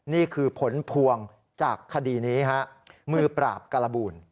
นี่คือผลพวงจากคดีนี้ฮะมือปราบการบูล